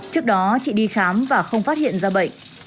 trước đó chị đi khám và không phát hiện ra bệnh